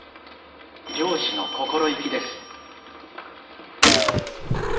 漁師の心意気です